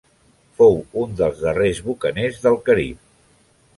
Fou un dels darrers bucaners del Carib.